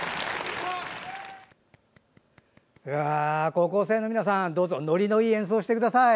高校生の皆さんどうぞのりのいい演奏をしてください。